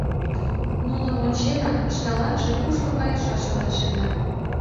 Нуным онченак, шкаланже кушко кайышашым рашемда.